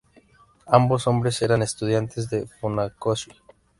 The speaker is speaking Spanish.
Ambos hombres eran estudiantes de Funakoshi.